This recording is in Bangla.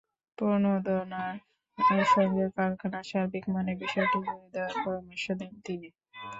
প্রণোদনার সঙ্গে কারখানার সার্বিক মানের বিষয়টি জুড়ে দেওয়ার পরামর্শও দেন তিনি।